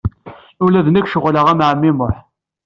Ula d nekk ceɣleɣ am ɛemmi Muḥ.